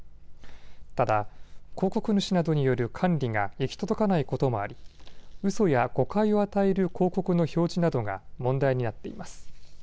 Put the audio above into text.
ただ広告主などによる管理が行き届かないこともありうそや誤解を与える広告の表示などが問題になっています。